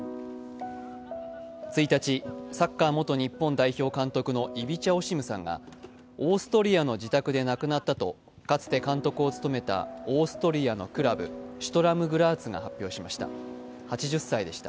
１日、サッカー元日本代表監督のイビチャ・オシムさんがオーストリアの自宅で亡くなったとかつて監督を務めたオーストリアのクラブ、シュトルム・グラーツが発表しました。